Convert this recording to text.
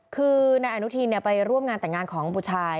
คือนายอนุทินไปร่วมงานแต่งงานของผู้ชาย